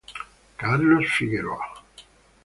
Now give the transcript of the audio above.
Carlos Figueroa